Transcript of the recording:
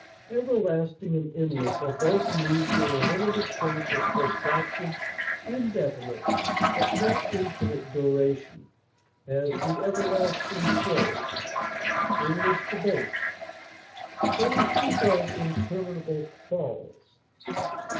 Everlasting and endless are both used in a limited sense of protracted, indefinite, but not infinite duration; as, the everlasting hills; endless debates; so we speak of interminable quarrels.